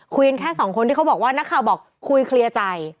แค่สองคนที่เขาบอกว่านักข่าวบอกคุยเคลียร์ใจ